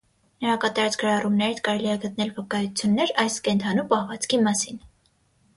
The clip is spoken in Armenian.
Նրա կատարած գրառումներից կարելի է գտնել վկայություններ այս կենդանու պահվածքի մասին։